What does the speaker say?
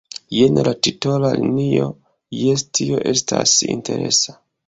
Jen la titola linio — jes, tio estas interesa!